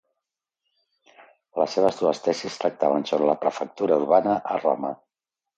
Les seves dues tesis tractaven sobre la prefectura urbana a Roma.